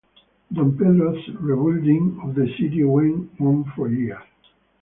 Don Pedro's rebuilding of the city went on for years.